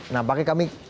nah pakai kami